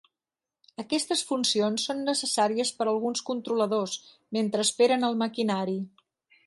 Aquestes funcions són necessàries per a alguns controladors mentre esperen el maquinari.